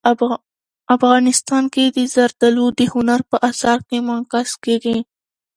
افغانستان کې زردالو د هنر په اثار کې منعکس کېږي.